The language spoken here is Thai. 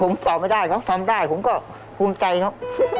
ผมสอบไม่ได้ครับสอบไม่ได้ผมก็ภูมิใจเขา